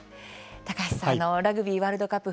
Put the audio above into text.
高橋さんラグビーワールドカップ